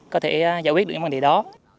có thể giải quyết được những vấn đề đó